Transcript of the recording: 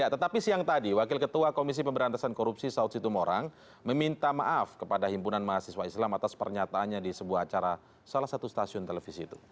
tetapi siang tadi wakil ketua komisi pemberantasan korupsi saud situmorang meminta maaf kepada himpunan mahasiswa islam atas pernyataannya di sebuah acara salah satu stasiun televisi itu